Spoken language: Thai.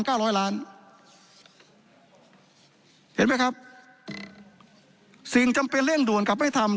ร้อยล้านเห็นไหมครับสิ่งจำเป็นเร่งด่วนกลับไม่ทำ